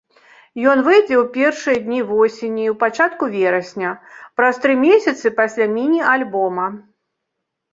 Ён выйдзе ў першыя дні восені, ў пачатку верасня, праз тры месяцы пасля міні-альбома.